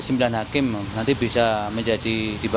kan kita punya sembilan hakim nanti bisa menjadi dibagi tiga panel